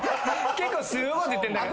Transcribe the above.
結構すごいこと言ってんだけど。